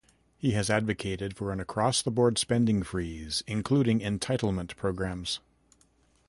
He has advocated for an across-the-board spending freeze, including entitlement programs.